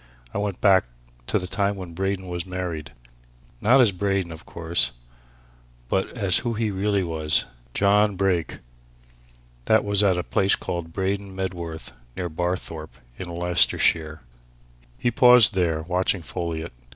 I went back to the time when Braden was married. Not as Braden, of course but as who he really was John Brake. That was at a place called Braden Medworth, near Barthorpe, in Leicestershire." He paused there, watching Folliot.